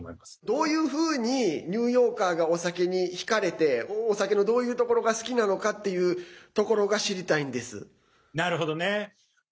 どういうふうにニューヨーカーがお酒に引かれてお酒のどういうところが好きなのかっていうところがなるほどね。